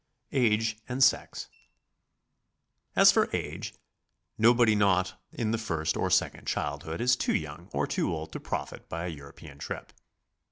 AGE AND SEX. As for age, nobody not in the first or second childhood is too young or too old to profit by a European trip.